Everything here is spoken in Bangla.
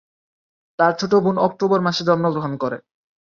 তার ছোট বোন অক্টোবর মাসে মৃত্যুবরণ করে।